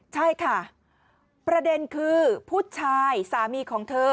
ใช่ค่ะประเด็นคือผู้ชายสามีของเธอ